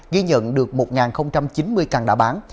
ghi nhận được một chín mươi căn đã bán